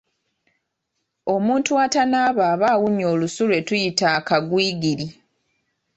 Omuntu atanaaba aba awunya olusu lwe tuyita "Akagwigiri".